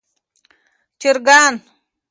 چرګان